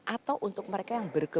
atau untuk mereka yang berkepen